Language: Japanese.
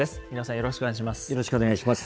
よろしくお願いします。